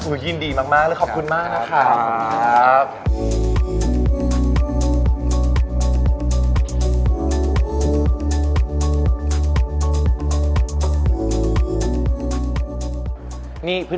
อุ้ยยินดีมากและขอบคุณมากนะคะ